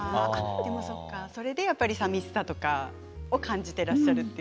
それで、さみしさとかを感じていらっしゃる